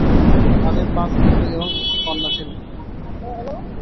তাদের পাঁচ পুত্র এবং একটি কন্যা ছিল।